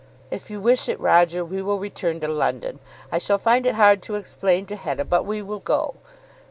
"If you wish it, Roger, we will return to London. I shall find it hard to explain to Hetta; but we will go."